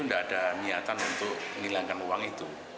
tidak ada niatan untuk menghilangkan uang itu